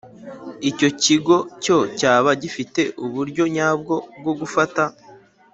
Icyo kigo cyo cyaba gifite uburyo nyabwo bwo gufata